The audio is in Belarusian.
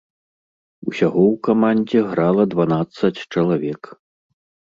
Усяго ў камандзе грала дванаццаць чалавек.